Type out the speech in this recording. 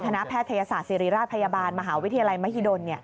แพทยศาสตร์ศิริราชพยาบาลมหาวิทยาลัยมหิดล